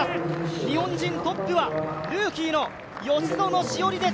日本人トップはルーキーの吉薗栞です。